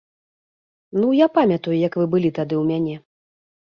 Ну, я памятаю, як вы былі тады ў мяне.